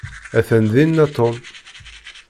Atan dina Tom.